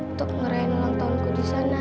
untuk ngerayain ulang tahunku di sana